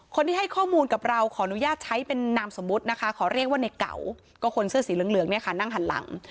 คนที่ให้ข้อมูลกับเราขออนุญาตใช้เป็นนามสมมุตินะคะขอเรียกว่าในเก่าก็คนเสื้อสีเหลืองเนี่ยค่ะนั่งหันหลัง